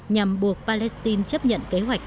nhằm buộc palestine chấp nhận kế hoạch